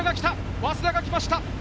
早稲田が来ました。